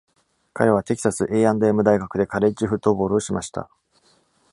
彼はテキサス A and M 大学でカレッジフットボールをしました。